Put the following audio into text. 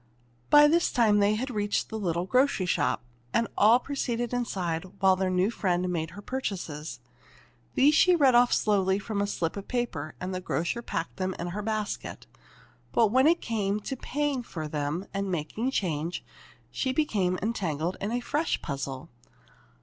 But by this time they had reached the little grocery shop, and all proceeded inside while their new friend made her purchases. These she read off slowly from a slip of paper, and the grocer packed them in her basket. But when it came to paying for them and making change, she became entangled in a fresh puzzle.